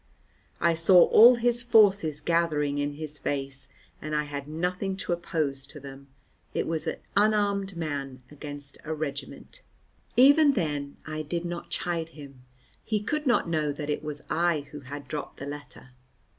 I saw all his forces gathering in his face, and I had nothing to oppose to them; it was an unarmed man against a regiment. Even then I did not chide him. He could not know that it was I who had dropped the letter.